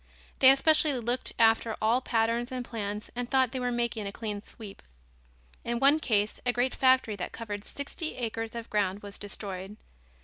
They especially looked after all patterns and plans and thought they were making a clean sweep. In one case a great factory that covered sixty acres of ground was destroyed.